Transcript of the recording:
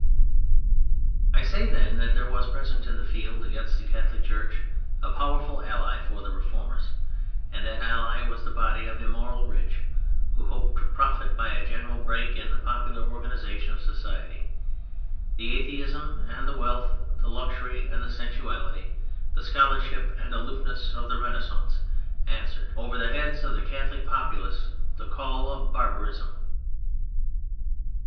I say, then, that there was present in the field against the Church a powerful ally for the Reformers: and that ally was the body of immoral rich who hoped to profit by a general break in the popular organization of society. The atheism and the wealth, the luxury and the sensuality, the scholarship and aloofness of the Renaissance answered, over the heads of the Catholic populace, the call of barbarism.